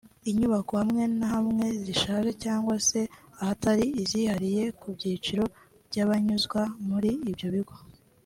inyubako hamwe na hamwe zishaje cyangwa se ahatari izihariye ku byiciro by’abanyuzwa muri ibyo bigo